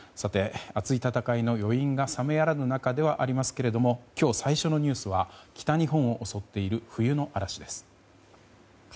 熱い戦いの余韻が冷めやらぬ中ではありますが今日、最初のニュースは北日本を襲っている冬の嵐です。